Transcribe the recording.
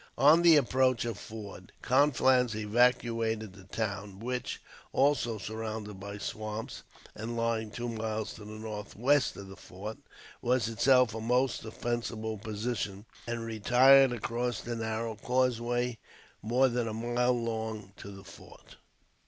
On the approach of Forde, Conflans evacuated the town; which, also surrounded by swamps, and lying two miles to the northwest of the fort, was itself a most defensible position; and retired across the narrow causeway, more than a mile long, to the fort.